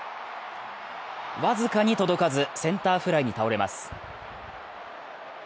僅かに届かず、センターフライに倒れます。